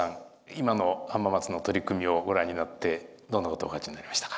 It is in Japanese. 今の浜松の取り組みをご覧になってどんなことお感じになりましたか？